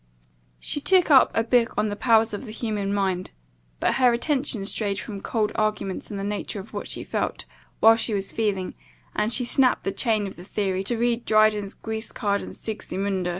She took up a book on the powers of the human mind; but, her attention strayed from cold arguments on the nature of what she felt, while she was feeling, and she snapt the chain of the theory to read Dryden's Guiscard and Sigismunda.